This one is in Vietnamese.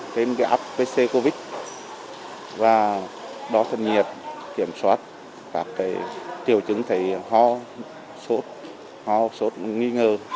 thêm cái app pc covid và đó thân nhiệt kiểm soát các cái triều chứng thầy ho sốt ho sốt nghi ngờ